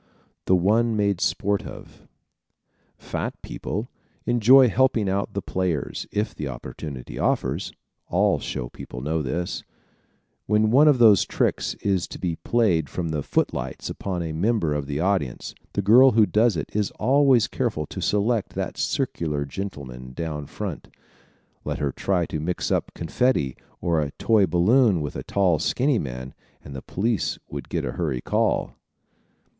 The One Made Sport Of ¶ Fat people enjoy helping out the players, if the opportunity offers. All show people know this. When one of those tricks is to be played from the foot lights upon a member of the audience the girl who does it is always careful to select that circular gentleman down front. Let her try to mix up confetti or a toy balloon with a tall skinny man and the police would get a hurry call!